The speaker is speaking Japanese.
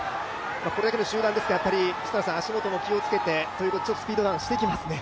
これだけの集団ですから、足元も気をつけてちょっとスピードダウンしてきますね。